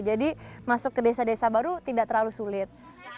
jadi masuk ke desa desa baru tidak terlalu sulit